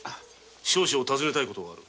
少々尋ねたい事がある。